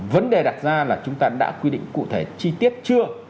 vấn đề đặt ra là chúng ta đã quy định cụ thể chi tiết chưa